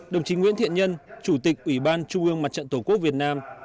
đồng chí nguyễn thiện nhân chủ tịch ủy ban trung ương mặt trận tổ quốc việt nam